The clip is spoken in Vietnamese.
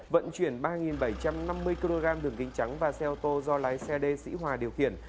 vận chuyển ba bảy trăm năm mươi kg đường kính trắng và xe ô tô do lái xe dĩ hòa điều khiển